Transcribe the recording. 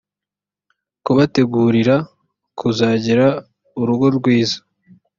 kubategurira kuzagira urugo rwiza